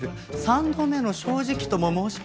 三度目の正直とも申し。